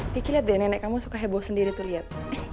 viki liat deh nenek kamu suka heboh sendiri tuh liat